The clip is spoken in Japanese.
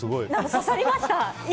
刺さりました。